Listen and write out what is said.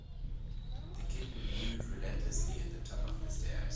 The kitten mewed relentlessly at the top of the stairs.